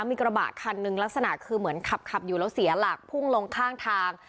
มีกระบะคันหนึ่งลักษณะคือเหมือนขับอยู่แล้วเสียหลักพุ่งลงข้างทาง